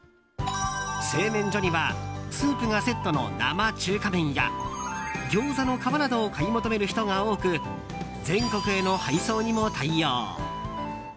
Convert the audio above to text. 製麺所にはスープがセットの生中華麺や餃子の皮などを買い求める人などが多く全国への配送にも対応。